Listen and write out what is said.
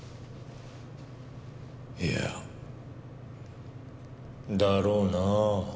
いいや。だろうな。